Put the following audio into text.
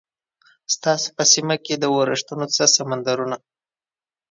ستاسو په سیمه کې د ورښتونو څه سمندرونه؟